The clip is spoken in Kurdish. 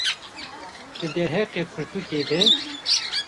di derheqê pirtûkê de